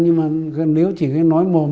nhưng mà nếu chỉ nói mồm